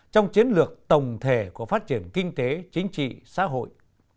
trong chiến lược tổng thể của phát triển kinh tế chính trị xã hội